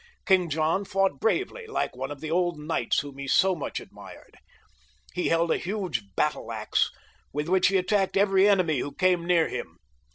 King John fought bravely, like one of the old knights whom he so much admired. He held a huge battle axe with which he attacked every enemy who came near him.